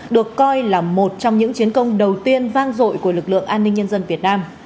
được coi là một trong những chiến công đầu tiên vang dội của lực lượng an ninh nhân dân việt nam